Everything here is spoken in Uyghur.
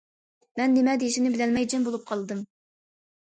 مەن نېمە دېيىشىمنى بىلەلمەي جىم بولۇپ قالدىم.